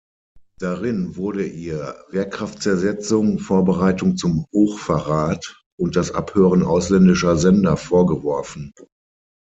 Darin wurde ihr Wehrkraftzersetzung, Vorbereitung zum Hochverrat und das Abhören ausländischer Sender vorgeworfen.